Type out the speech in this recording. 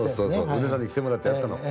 宇根さんに来てもらってやったの。